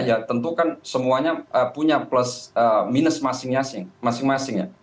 ya tentu kan semuanya punya minus masing masing